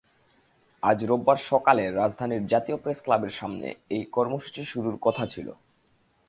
আজ রোববার সকালে রাজধানীর জাতীয় প্রেসক্লাবের সামনে এই কর্মসূচি শুরুর কথা ছিল।